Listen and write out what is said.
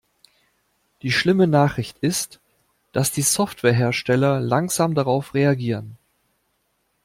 Die schlimme Nachricht ist, dass die Softwarehersteller langsam darauf reagieren.